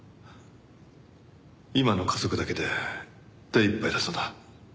今の家族だけで手いっぱいだそうだ。